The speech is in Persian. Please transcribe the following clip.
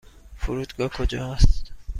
فرودگاه کجا است؟